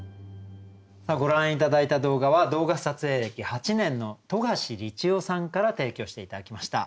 ご覧頂いた動画は動画撮影歴８年の冨樫理知夫さんから提供して頂きました。